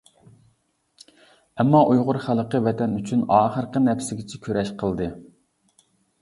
ئەمما ئۇيغۇر خەلقى ۋەتەن ئۈچۈن ئاخىرقى نەپسىگىچە كۈرەش قىلدى.